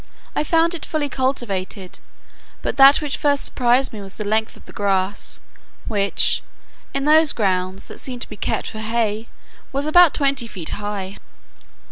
I found it fully cultivated; but that which first surprised me was the length of the grass, which, in those grounds that seemed to be kept for hay, was about twenty feet high.